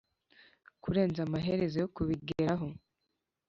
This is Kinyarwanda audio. kurenza amaherezo yo kubigeraho.